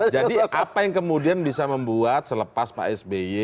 jadi apa yang kemudian bisa membuat selepas pak sby